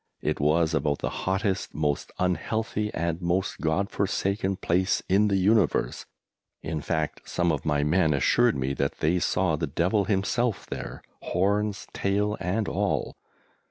It was about the hottest, most unhealthy, and most God forsaken place in the universe in fact some of my men assured me that they saw the Devil himself there, horns, tail and all!